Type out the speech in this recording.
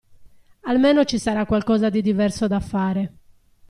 Almeno ci sarà qualcosa di diverso da fare.